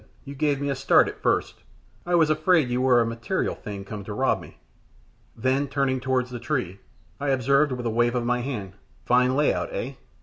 "You gave me a start at first. I was afraid you were a material thing come to rob me." Then turning towards the tree, I observed, with a wave of the hand, "Fine lay out, eh?"